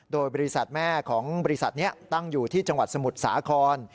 โดยบริษัทแม่ของบริษัทนี้ตั้งอยู่ที่จังหวัดสมุทรสาคร